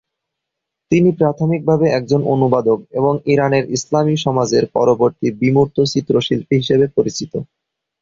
তিনি প্রাথমিকভাবে একজন অনুবাদক এবং ইরানের ইসলামী সমাজের পরবর্তী বিমূর্ত চিত্রশিল্পী হিসেবে পরিচিত।